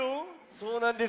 そうなんですよ。